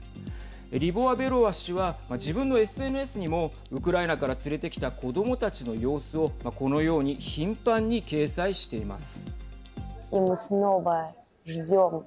リボワベロワ氏は自分のＳＮＳにもウクライナから連れてきた子どもたちの様子をこのように頻繁に掲載しています。